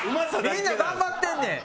みんな頑張ってんねん！